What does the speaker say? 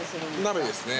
鍋ですね。